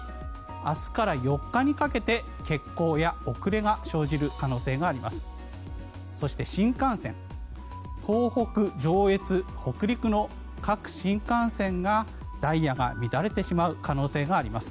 明日から４日にかけて欠航や遅れが生じる可能性があります。